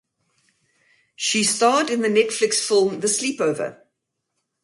She starred in the Netflix film "The Sleepover".